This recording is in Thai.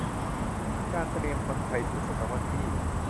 คือการเตรียมคนไทยสู่ศตวรรษที่